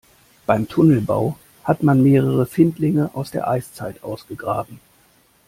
Beim Tunnelbau hat man mehrere Findlinge aus der Eiszeit ausgegraben.